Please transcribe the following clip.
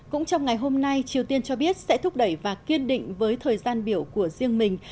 cũng trong ngày hôm nay triều tiên cho biết sẽ thúc đẩy và kiên định với thời gian biểu của riêng mình